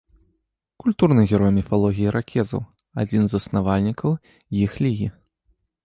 Культурны герой міфалогіі іракезаў, адзін з заснавальнікаў іх лігі.